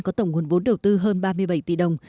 có tổng nguồn vốn đầu tư hơn ba mươi bảy tỷ đồng